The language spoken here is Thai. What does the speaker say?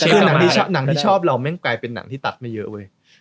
คือหนังที่ชอบเราแม่งกลายเป็นหนังที่ตัดไม่เยอะเว้ย